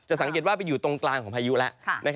สังเกตว่าไปอยู่ตรงกลางของพายุแล้ว